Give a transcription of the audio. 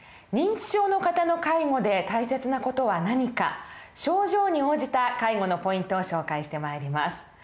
認知症の方の介護で大切な事は何か症状に応じた介護のポイントを紹介してまいります。